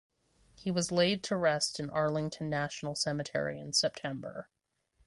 He was laid to rest in Arlington National Cemetery in September.